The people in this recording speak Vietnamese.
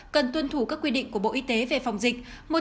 cần tuân thủ các quy định của bộ y tế về phòng dịch